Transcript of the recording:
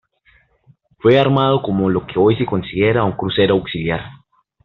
Fue armado como lo que hoy se considera un crucero auxiliar.